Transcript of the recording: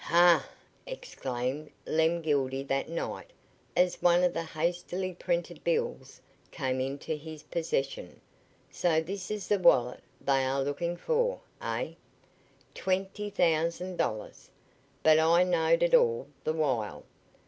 "Ha!" exclaimed Lem Gildy that night as one of the hastily printed bills came into his possession, "so this is the wallet they are lookin' for, eh? Twenty thousand dollars! But I knowed it all the while.